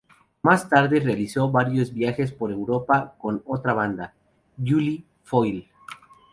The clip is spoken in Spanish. Más tarde realizó varios viajes por Europa con otra banda, Gully Foyle.